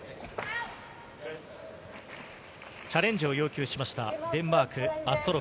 チャレンジを要求しました、デンマーク。